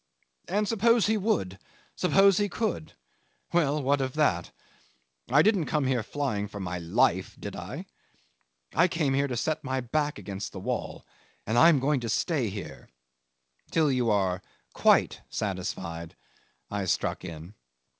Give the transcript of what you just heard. And suppose he would suppose he could? Well what of that? I didn't come here flying for my life did I? I came here to set my back against the wall, and I am going to stay here ..." '"Till you are quite satisfied," I struck in.